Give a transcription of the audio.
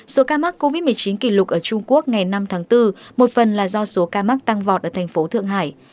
số ca mắc covid một mươi chín kỷ lục ở trung quốc ngày năm tháng bốn một phần là do số ca mắc tăng vọt ở thành phố thượng hải